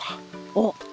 おっ！